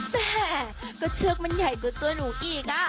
แม่ก็เชือกมันใหญ่ตัวหนูอีกอ่ะ